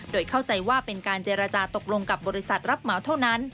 โดยเข้าใจว่าเป็นการเจรจาตกลงกับบริษัทรับเหมาเท่านั้น